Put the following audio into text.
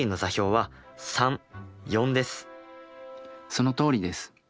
そのとおりです。